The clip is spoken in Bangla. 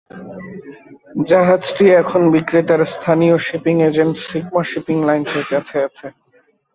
জাহাজটি এখন বিক্রেতার স্থানীয় শিপিং এজেন্ট সিগমা শিপিং লাইনসের কাছে আছে।